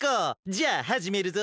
じゃあはじめるぞ。